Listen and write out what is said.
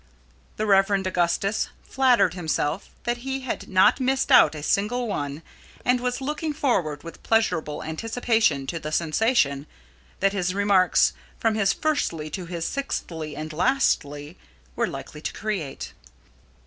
The Rev. Augustus flattered himself that he had not missed out a single one, and was looking forward with pleasurable anticipation to the sensation that his remarks, from his "firstly" to his "sixthly and lastly," were likely to create.